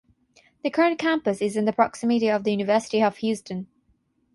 The current campus is in proximity to the University of Houston.